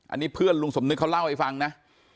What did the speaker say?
อันนี้เพื่อนลุงสมนึกเขาเล่าให้ฟังนะ